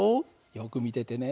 よく見ててね。